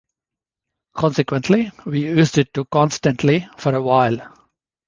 Consequently, we used it constantly for a while.